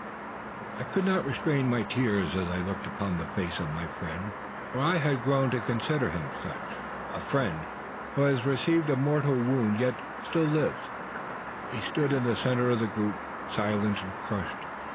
I could not restrain my tears as I looked upon the face of my friend, for I had grown to consider him such. Like one who has received a mortal wound, yet still lives, he stood in the centre of the group, silent and crushed.